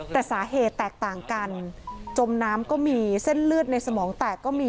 แต่สาเหตุแตกต่างกันจมน้ำก็มีเส้นเลือดในสมองแตกก็มี